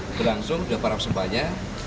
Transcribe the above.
itu langsung sudah paraf sempatnya